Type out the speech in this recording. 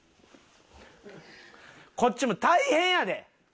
こっちも大変やで。